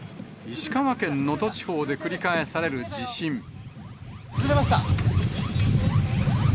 石川県能登地方で繰り返され崩れました。